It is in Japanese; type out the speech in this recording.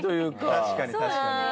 確かに確かに。